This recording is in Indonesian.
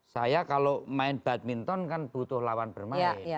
saya kalau main badminton kan butuh lawan bermain